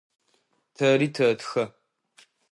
Тэри тэтхэ.